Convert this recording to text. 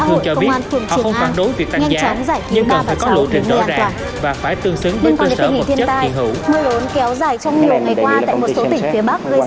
mưa lớn kéo dài trong nhiều ngày qua